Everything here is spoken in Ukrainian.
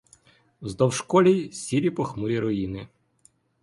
Вздовж колій сірі похмурі руїни.